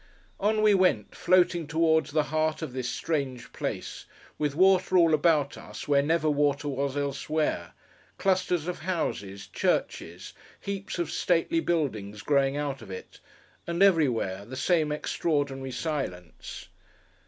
On we went, floating towards the heart of this strange place—with water all about us where never water was elsewhere—clusters of houses, churches, heaps of stately buildings growing out of it—and, everywhere, the same extraordinary silence.